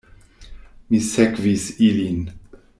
Mi sekvis ilin.